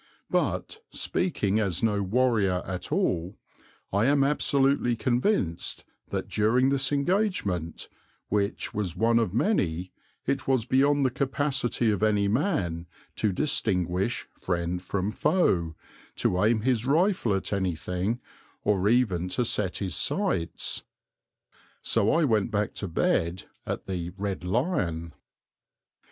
But, speaking as no warrior at all, I am absolutely convinced that during this engagement, which was one of many, it was beyond the capacity of any man to distinguish friend from foe, to aim his rifle at anything, or even to set his sights. So I went back to bed at the "Red Lion."